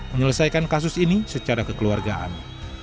menyelesaikan kasus ini secara kekeluargaan